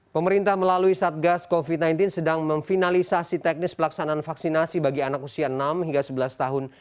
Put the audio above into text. pemerintah melalui satgas covid sembilan belas sedang memfinalisasi teknis pelaksanaan vaksinasi bagi anak usia enam hingga sebelas tahun